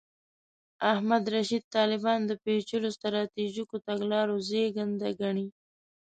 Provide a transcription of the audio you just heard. احمد رشید طالبان د پېچلو سټراټیژیکو تګلارو زېږنده ګڼي.